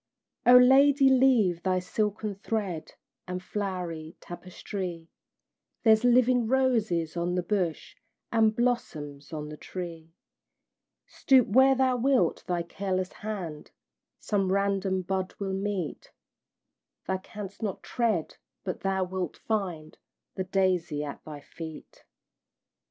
O Lady, leave thy silken thread And flowery tapestrie: There's living roses on the bush, And blossoms on the tree; Stoop where thou wilt, thy careless hand Some random bud will meet; Thou canst not tread, but thou wilt find The daisy at thy feet.